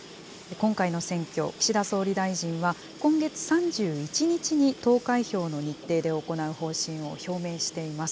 今回の選挙、岸田総理大臣は今月３１日に投開票の日程で行う方針を表明しています。